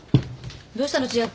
どうしたの千明？